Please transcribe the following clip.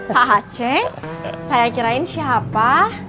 pak aceh saya kirain siapa